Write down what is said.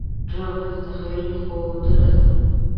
ډرامه د تخیل ښودنه ده